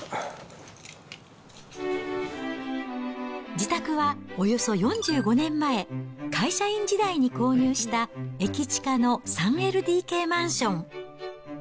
自宅はおよそ４５年前、会社員時代に購入した駅近の３ＬＤＫマンション。